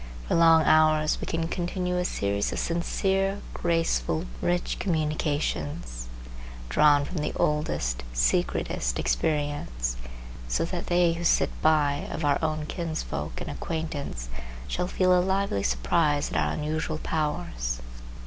For long hours we can continue a series of sincere, graceful, rich communications, drawn from the oldest, secretest experience, so that they who sit by, of our own kinsfolk and acquaintance, shall feel a lively surprise at our unusual powers.